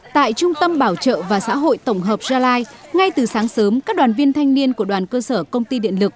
tại trung tâm bảo trợ và xã hội tổng hợp gia lai ngay từ sáng sớm các đoàn viên thanh niên của đoàn cơ sở công ty điện lực